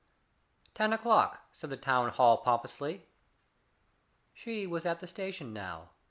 Ten o'clock, said the town hall pompously. She was at the station now.